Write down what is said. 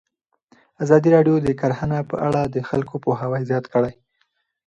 ازادي راډیو د کرهنه په اړه د خلکو پوهاوی زیات کړی.